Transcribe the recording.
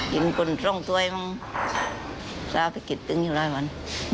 กินคุณทรงถ้วยมั้งสาวไปกินตึงอยู่ร้อยวัน